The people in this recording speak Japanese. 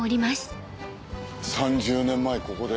３０年前ここで。